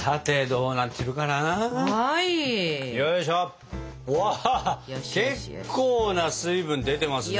うわ結構な水分出てますね。